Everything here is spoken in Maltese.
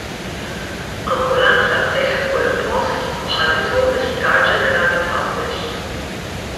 Ambulanza ssejħet fuq il-post u ħaditu l-Isptar Ġenerali t'Għawdex.